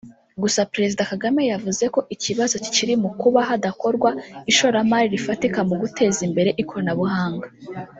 Gusa Perezida Kagame yavuze ko ikibazo kikiri mu kuba hadakorwa ishoramari rifatika mu guteza imbere ikoranabuhanga